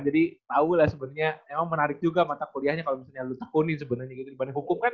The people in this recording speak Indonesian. jadi tau lah sebenernya emang menarik juga mata kuliahnya kalo misalnya lu takunin sebenernya gitu dibanding hukum kan